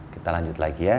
kita lanjut lagi ya